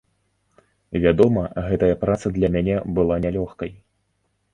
Вядома, гэтая праца для мяне была нялёгкай.